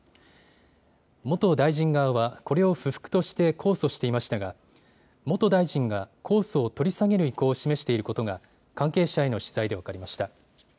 元大臣側はこれを不服として控訴していましたが元大臣が控訴を取り下げる意向を示していることが関係者への取材で分かりました。